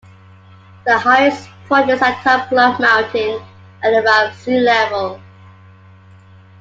The highest point is atop Clove Mountain, at above sea level.